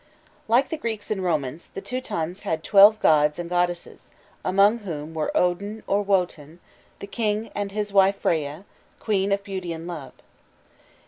Like the Greeks and Romans, the Teutons had twelve gods and goddesses, among whom were Odin or Wotan, the king, and his wife Freya, queen of beauty and love.